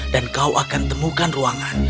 dan kau akan temukan ruangan